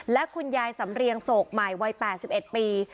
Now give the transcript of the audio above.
และคุณยายสำเรียงโศกใหม่วัย๘๑ปี